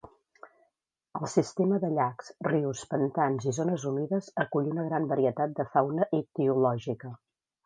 El sistema de llacs, rius, pantans i zones humides acull una gran varietat de fauna ictiològica.